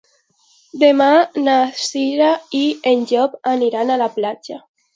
Demà na Cira i en Llop aniran a la platja.